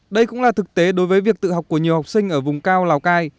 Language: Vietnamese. đây cũng là thực tế đối với việc tự học của nhiều học sinh ở vùng cao lào cai